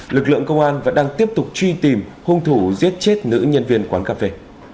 lực lượng công an vẫn đang tiếp tục truy tìm hung thủ giết chết nữ nhân viên quán cà phê